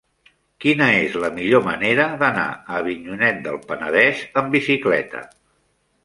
Quina és la millor manera d'anar a Avinyonet del Penedès amb bicicleta?